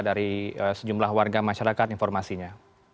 dari sejumlah warga masyarakat informasinya